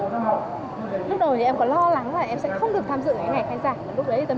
lúc đầu thì em có lo lắng là em sẽ không được tham dự ngày khai giảng